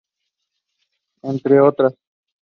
Entre otras,